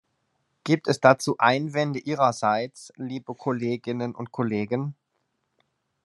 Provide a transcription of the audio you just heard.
Gibt es dazu Einwände Ihrerseits, liebe Kolleginnen und Kollegen?